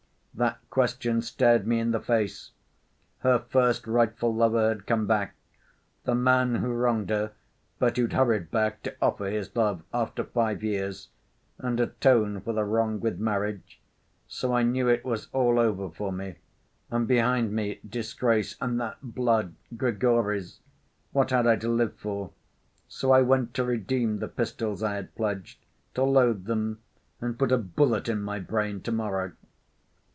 That question stared me in the face. Her first rightful lover had come back, the man who wronged her but who'd hurried back to offer his love, after five years, and atone for the wrong with marriage.... So I knew it was all over for me.... And behind me disgrace, and that blood—Grigory's.... What had I to live for? So I went to redeem the pistols I had pledged, to load them and put a bullet in my brain to‐morrow."